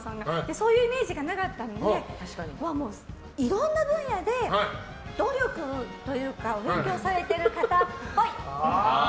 そういうイメージがなかったのでいろんな分野で努力というかお勉強されている方っぽい。